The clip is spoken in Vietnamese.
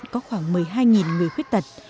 có khoảng một mươi hai người khuyết tật